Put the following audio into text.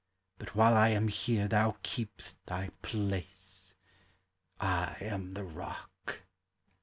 But while I am here thou keep'sl thy place! I am the Eock!